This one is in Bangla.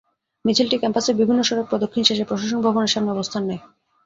মিছিলটি ক্যাম্পাসের বিভিন্ন সড়ক প্রদক্ষিণ শেষে প্রশাসন ভবনের সামনে অবস্থান নেয়।